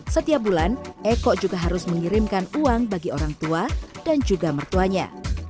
setiap bulan eko juga harus mengirimkan uang bagi orang tua dan juga mertuanya